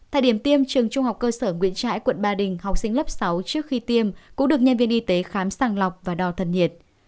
tại điểm tiêm trường trung học cơ sở nguyễn trãi quận ba đình học sinh lớp sáu trước khi tiêm cũng được nhân viên y tế khám sàng lọc và đo thân nhiệt